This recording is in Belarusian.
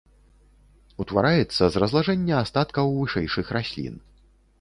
Утвараецца з разлажэння астаткаў вышэйшых раслін.